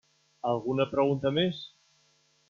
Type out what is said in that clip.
Alguna pregunta més?